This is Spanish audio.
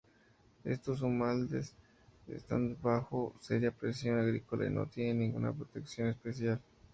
Estos humedales están bajo seria presión agrícola y no tienen ninguna protección especial.